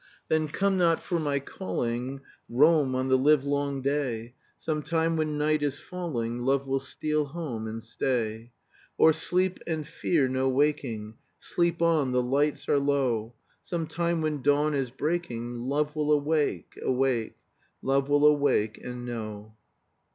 "Then come not for my calling, Roam on the livelong day; Some time when night is falling, Love will steal home and stay. "Or sleep, and fe ear no waking, Sleep on, the li ights are low, Some time when dawn is breaking, Love will awa ake awa ake, (Cresc.) Love will awa ake and know."